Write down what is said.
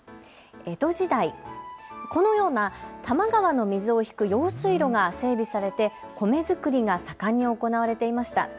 江戸時代、このような多摩川の水を引く用水路が整備されて米作りが盛んに行われていました。